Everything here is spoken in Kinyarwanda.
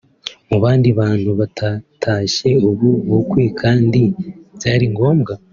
Mu bandi bantu batatashye ubu bukwe kandi byari ngombwa